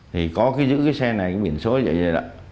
thì có cái giữ cái xe này cái biển số vậy về đó